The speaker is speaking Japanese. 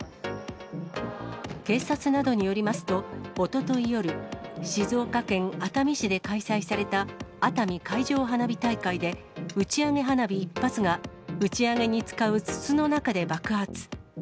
警察などによりますと、おととい夜、静岡県熱海市で開催された熱海海上花火大会で、打ち上げ花火１発が、打ち上げに使う筒の中で爆発。